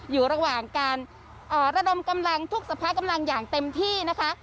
อยู่ระหว่างการระดมกำลังทุกสภากำลังอย่างเต็มที่นะคะ